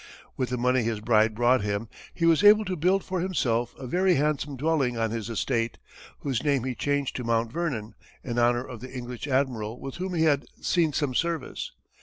With the money his bride brought him, he was able to build for himself a very handsome dwelling on his estate, whose name he changed to Mount Vernon, in honor of the English admiral with whom he had seen some service.